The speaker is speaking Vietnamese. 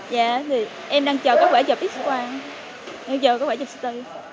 dạ thì em đang chờ các quả chập x quang em chờ các quả chập x tay